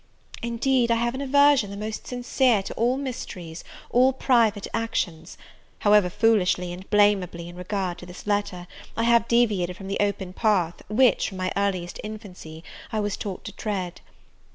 Indeed, I have an aversion the most sincere to all mysteries, all private actions; however foolishly and blameably, in regard to this letter, I have deviated from the open path which, from my earliest infancy, I was taught to tread.